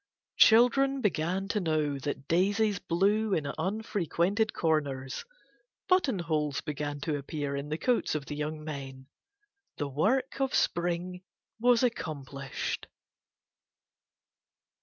Children began to know that daisies blew in unfrequented corners. Buttonholes began to appear in the coats of the young men. The work of Spring was accomplished.